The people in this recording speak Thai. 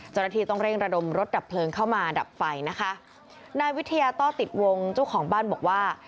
เจ้าหน้าที่ต้องเร่งระดมรถดับเพลิงเข้ามาดับไฟนะคะนายวิทยาต้อติดวงเจ้าของบ้านบอกว่า